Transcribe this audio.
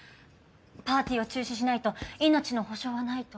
パーティーを中止しないと命の保証はないと。